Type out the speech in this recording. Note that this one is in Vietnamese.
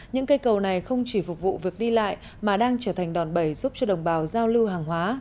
những cây cầu này không chỉ phục vụ việc đi lại mà đang trở thành đòn bẩy giúp cho đồng bào giao lưu hàng hóa